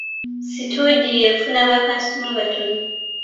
Situdiyo efuna bakasitoma batono.